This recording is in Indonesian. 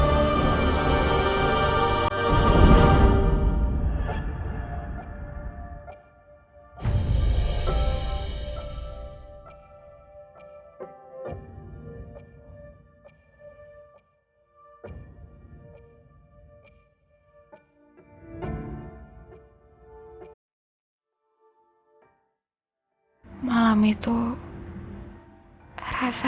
malah yang sakit mas